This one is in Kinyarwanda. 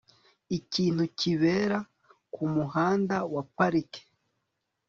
Ikintu kibera kumuhanda wa Park